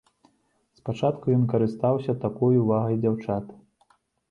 Спачатку ён карыстаўся такой увагай дзяўчат.